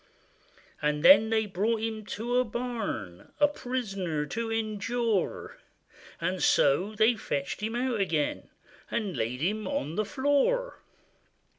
And then they brought him to a barn, A prisoner to endure; And so they fetched him out again, And laid him on the floor.